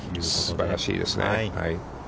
すばらしいですね。